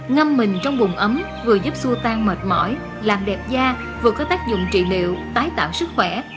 ngâm mình trong buồng ấm vừa giúp xua tan mệt mỏi làm đẹp da vừa có tác dụng trị liệu tái tạo sức khỏe